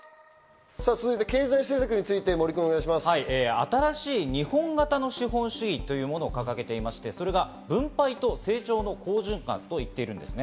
新しい日本型の資本主義というものを掲げていまして、それが分配と成長の好循環と言っているんです。